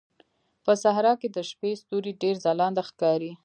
په صحراء کې د شپې ستوري ډېر ځلانده ښکاري.